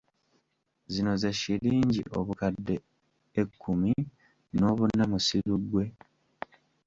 Zino ze Shillingi obukadde ekkumi n'obuna musiru-ggwe?